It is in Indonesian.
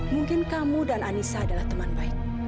mungkin kamu dan anissa adalah teman baik